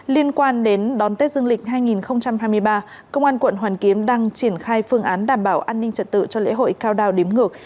liên quan đến đón tết dương lịch hai nghìn hai mươi ba công an quận hoàn kiếm đang triển khai phương án đảm bảo an ninh trật tự cho lễ hội cao đao đếm ngược